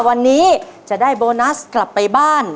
วันนี้จะได้โบนัสกลับไปบ้าน